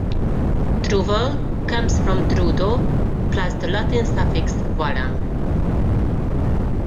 "Druval" comes from "Drudo" plus the Latin suffix "vallem".